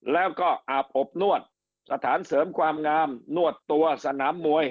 แล้วก็อาบอบนวดสถานเสริมความงามนวดตัวสนามมวย